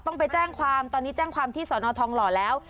ต้องไปแจ้งความตอนนี้แจ้งความที่สอนอทองหล่อแล้ว